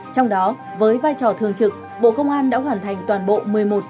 trong đó với vai trò thường trực bộ công an đã hoàn thành toàn bộ một mươi một dịch vụ công